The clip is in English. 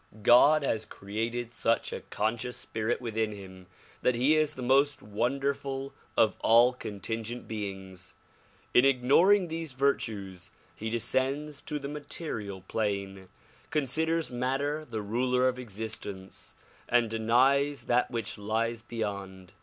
God has created such a conscious spirit within him that he is the most wonderful of all contingent beings. In ignoring these virtues he descends to the material plane, con siders matter the ruler of existence and denies that which lies beyond.